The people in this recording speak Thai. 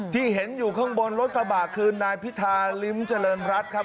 ที่เห็นอยู่ข้างบนรถกระบะคือนายพิธาลิ้มเจริญรัฐครับ